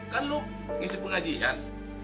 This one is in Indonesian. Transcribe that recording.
kan lu ngisi pengajian